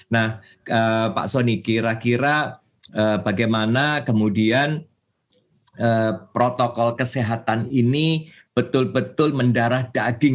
nah pak soni kira kira bagaimana kemudian protokol kesehatan ini betul betul mendarah daging